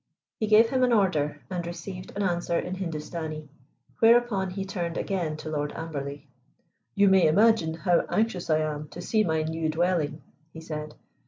He gave him an order, and received an answer in Hindustani, whereupon he turned again to Lord Amberley. "You may imagine how anxious I am to see my new dwelling," he said.